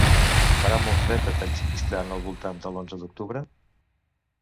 Farà molt fred a Tadjikistan al voltant de l'onze d'octubre?